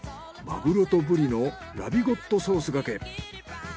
マグロとブリのラビゴットソースがけ。